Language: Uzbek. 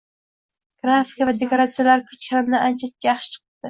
Grafika va dekoratsiyalar kutganimdan ancha yaxshi chiqibdi.